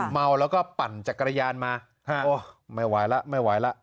เมาแล้วก็ปั่นจักรยานมาไม่ไหวล่ะไม่ไหวล่ะ